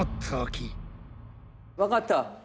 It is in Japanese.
わかった！